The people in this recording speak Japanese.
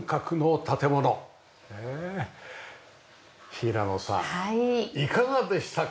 平野さんいかがでしたか？